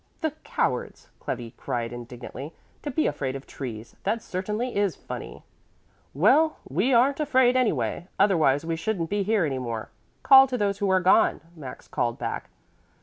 "The cowards!" Clevi cried indignantly, "To be afraid of trees! That certainly is funny." "Well, we aren't afraid anyway; otherwise we shouldn't be here any more. Call to those who are gone," Max called back.